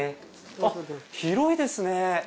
あっ広いですね。